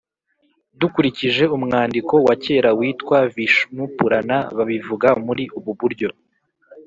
dukurikije umwandiko wa kera witwa vishnu purana, babivuga muri ubu buryo: